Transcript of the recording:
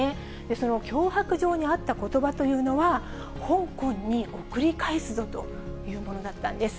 その脅迫状にあったことばというのは、香港に送り返すぞというものだったんです。